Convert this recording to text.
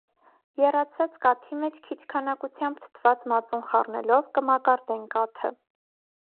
Եռացած կաթի մէջ քիչ քանակութեամբ թթուած մածուն խառնելով՝ կը մակարդեն կաթը։